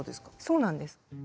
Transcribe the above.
そうなんです。